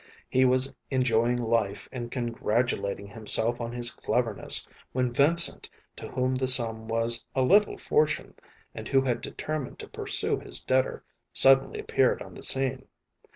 He was enjoying life and congratulating himself on his cleverness when Vincent, to whom the sum was a little fortune, and who had determined to pursue his debtor, suddenly appeared on the scene.